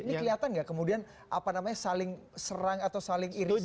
ini kelihatan nggak kemudian saling serang atau saling irisannya